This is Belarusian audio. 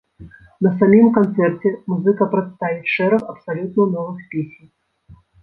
На самім канцэрце музыка прадставіць шэраг абсалютна новых песень.